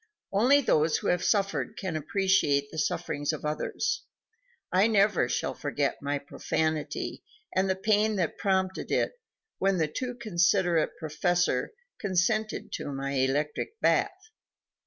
Only those who have suffered can appreciate the sufferings of others. I never shall forget my profanity and the pain that prompted it when the too considerate Prof. consented to my electric bath.